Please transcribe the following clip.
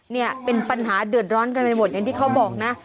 เนี่ยเป็นปัญหาเดือดร้อนกันไปหมดอย่างที่เขาบอกนะ